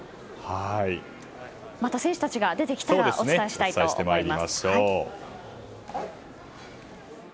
また選手たちが出てきたらお伝えしたいと思います。